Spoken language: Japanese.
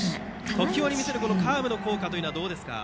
時折見せるカーブの効果はどうですか。